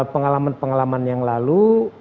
pengalaman pengalaman yang lalu